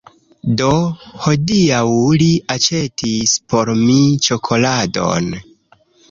Do, hodiaŭ li aĉetis por mi ĉokoladon